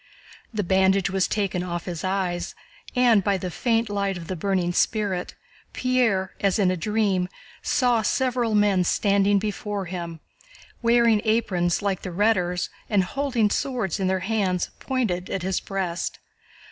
The bandage was taken off his eyes and, by the faint light of the burning spirit, Pierre, as in a dream, saw several men standing before him, wearing aprons like the Rhetor's and holding swords in their hands pointed at his breast.